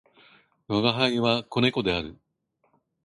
吾輩は、子猫である。